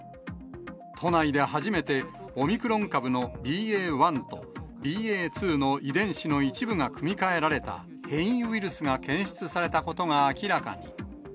都内で初めてオミクロン株のＢＡ．１とＢＡ．２の遺伝子の一部が組み換えられた変異ウイルスが検出されたことが明らかに。